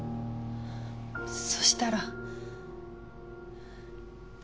そしたら。